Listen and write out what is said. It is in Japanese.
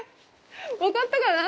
分かったかな？